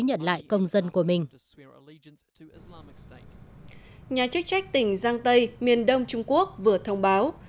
nhà chức trách tỉnh giang tây miền đông trung quốc vừa thông báo